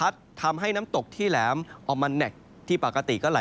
จะทำให้ผู้ชม